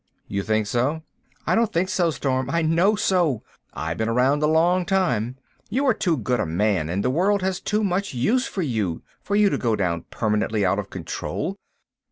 '" "You think so?" "I don't think so, Storm—I know so. I've been around a long time. You are too good a man, and the world has too much use for you, for you to go down permanently out of control.